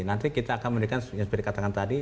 nanti kita akan memberikan seperti yang dikatakan tadi